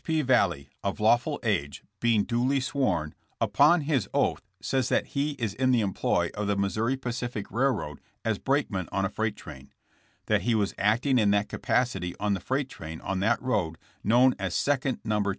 P. Vallee, of lawful age, being duly sworn, upon his oath says that he is in the employ of the Missouri Pacific railroad as brakeman on a freight train; that he was acting in that capacity on the freight train on that road known as second No.